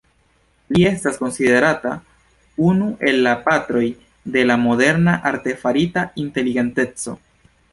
Li estas konsiderata unu el la patroj de la moderna artefarita inteligenteco.